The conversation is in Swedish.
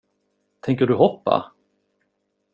Tänker du hoppa?